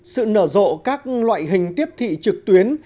sự nở rộ các loại hình tiếp thị trực tuyến